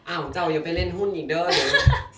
อ้าวของเจ้าอย่าไปเล่นหุ้นอีกเด้อหรือ